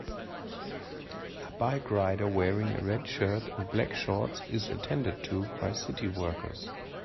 A bike rider wearing a red shirt and black shorts is attended to by city workers.